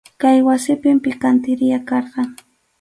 Kay wasipim pikantiriya karqan.